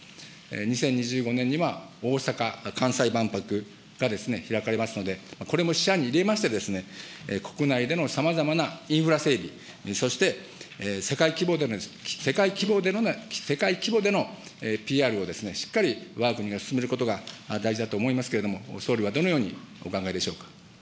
２０２５年には大阪・関西万博が開かれますので、これも視野に入れまして、国内でのさまざまなインフラ整備、そして、世界規模でのＰＲをしっかりわが国が進めることが大事だと思いますけれども、総理はどのようにお考えでしょうか。